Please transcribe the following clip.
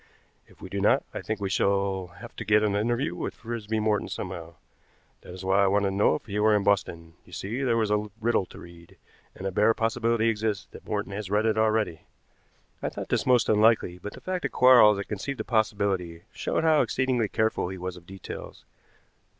If we do not, I think we shall have to get an interview with Frisby Morton somehow. That is why I wanted to know if he were in Boston. You see, there was a riddle to read, and a bare possibility exists that Morton has read it already." I thought this most unlikely, but the fact that Quarles had conceived the possibility showed how exceedingly careful he was of details.